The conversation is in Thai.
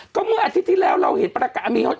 ก็เมื่ออาทิตย์ที่แล้วเราเห็นประกาศมีฮอต